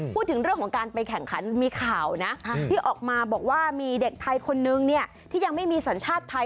พูดถึงเรื่องของการไปแข่งขันมีข่าวนะที่ออกมาบอกว่ามีเด็กไทยคนนึงเนี่ยที่ยังไม่มีสัญชาติไทย